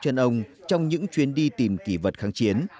trên ông trong những chuyến đi tìm kỷ vật kháng chiến